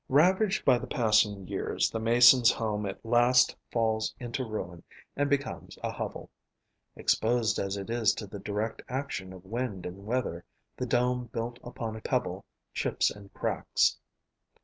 Ravaged by the passing years, the Mason's home at last falls into ruin and becomes a hovel. Exposed as it is to the direct action of wind and weather, the dome built upon a pebble chips and cracks.